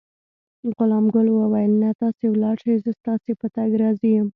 غلام ګل وویل: نه، تاسې ولاړ شئ، زه ستاسي په تګ راضي یم.